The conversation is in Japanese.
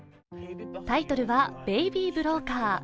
タイトルは「ベイビー・ブローカー」